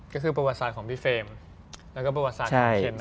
ก็คือประวัติศาสตร์ของพี่เฟรมแล้วก็ประวัติศาสตร์ของเคน